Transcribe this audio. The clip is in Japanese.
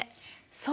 そう。